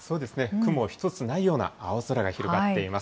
雲一つないような青空が広がっています。